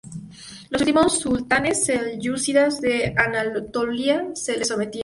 Los últimos sultanes selyúcidas de Anatolia se le sometieron.